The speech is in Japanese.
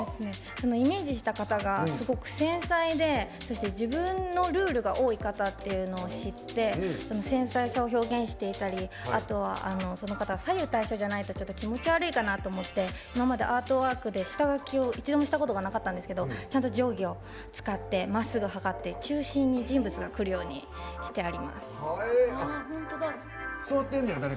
イメージした方がすごく繊細でそして自分のルールが多い方っていうのを知って繊細さを表現していたりあとはその方左右対称じゃないと気持ち悪いかなと思って今までアートワークで下書きを一度もしたことなかったんですけどちゃんと定規を使ってまっすぐ測って、中心に人物がくるようにしてあります。